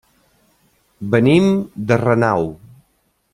Venim de Renau.